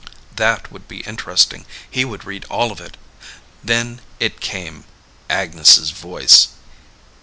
That would be interesting, he would read all of it. Then it came, Agnes' voice.